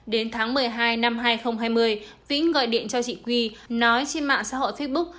đến tháng một mươi hai năm hai nghìn hai mươi vĩ gọi điện cho chị quy nói trên mạng xã hội facebook